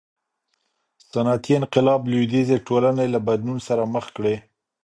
صنعتي انقلاب لویدیځې ټولني له بدلون سره مخ کړې.